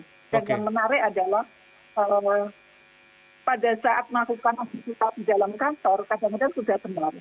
dan yang menarik adalah pada saat melakukan aktivitas di dalam kantor kadang kadang sudah tempat